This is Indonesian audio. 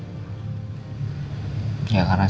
dan sampai sekarang